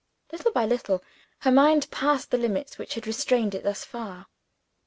Little by little, her mind passed the limits which had restrained it thus far.